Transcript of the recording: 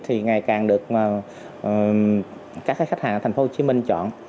thì ngày càng được các khách hàng tp hcm chọn